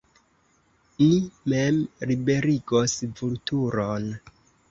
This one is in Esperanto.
Ni mem liberigos Vulturon!